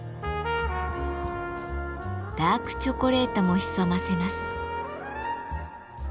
ダークチョコレートも潜ませます。